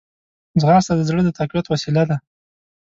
ځغاسته د زړه د تقویت وسیله ده